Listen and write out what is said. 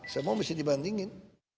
semua mesti dibandingin